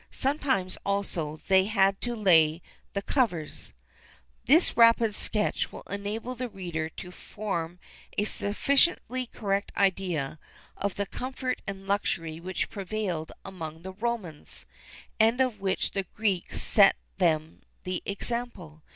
Sometimes, also, they had to lay the covers.[XXXIII 32] This rapid sketch will enable the reader to form a sufficiently correct idea of the comfort and luxury which prevailed among the Romans, and of which the Greeks set them the example.